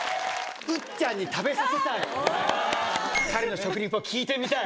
彼の食リポ聞いてみたい。